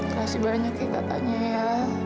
kasih banyaknya katanya ya